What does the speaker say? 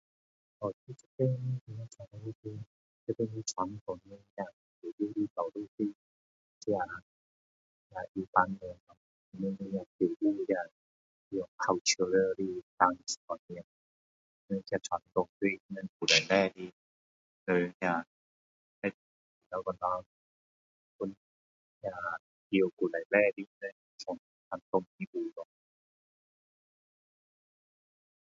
【unclear] 以前的传统统统都是跳舞的 cultural 的这些传统都是以前的人怎样说呃用以前的 [unintelligible]